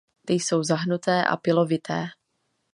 Ty jsou zahnuté a pilovité.